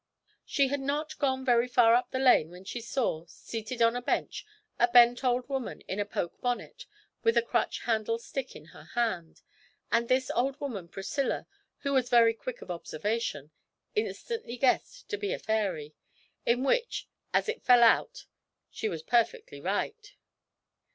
She had not gone very far up the lane when she saw, seated on a bench, a bent old woman in a poke bonnet with a crutch handled stick in her hands, and this old woman Priscilla (who was very quick of observation) instantly guessed to be a fairy in which, as it fell out, she was perfectly right.